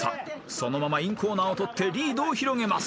［そのままインコーナーを取ってリードを広げます］